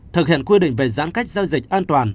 thực hiện quy định về giãn cách giao dịch an toàn